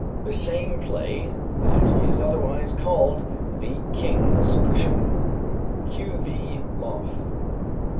_ The same play that is otherwise called the "King's Cushion," q.v. (_Loth.